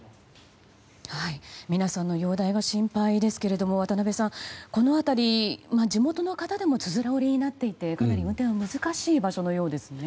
皆さんの容体が心配ですけれども渡辺さん、この辺り地元の方でもつづら折りになっていてかなり運転が難しい場所のようですね。